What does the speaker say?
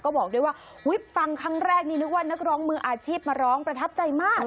ก็บอกด้วยว่าฟังครั้งแรกนี่นึกว่านักร้องมืออาชีพมาร้องประทับใจมาก